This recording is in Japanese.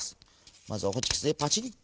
まずはホチキスでパチリ。